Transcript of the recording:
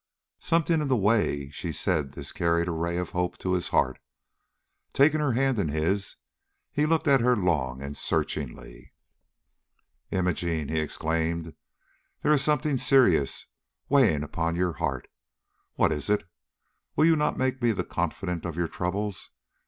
Something in the way she said this carried a ray of hope to his heart. Taking her hand in his, he looked at her long and searchingly. "Imogene!" he exclaimed, "there is something serious weighing upon your heart. What is it? Will you not make me the confidant of your troubles?